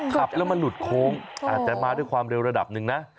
ขับแล้วมันหลุดโค้งอาจจะมาด้วยความเร็วระดับหนึ่งนะ